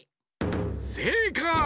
せいかい！